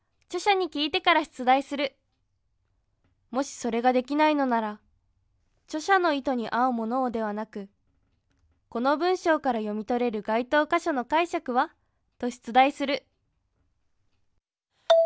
もしそれができないのなら「著者の意図に合うものを」ではなく「この文章から読み取れる該当箇所の解釈は？」と出題する２。